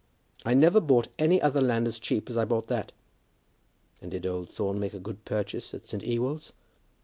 I never bought any other land as cheap as I bought that." "And did old Thorne make a good purchase at St. Ewold's?"